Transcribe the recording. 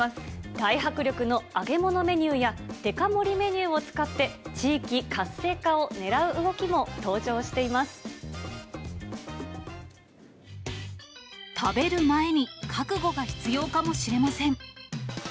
大迫力の揚げ物メニューやデカ盛りメニューを使って、地域活食べる前に覚悟が必要かもしれません。